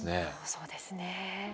そうですね。